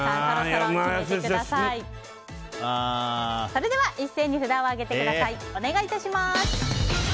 それでは一斉に札を上げてください。